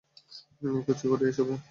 নিকুচি করি এসবের!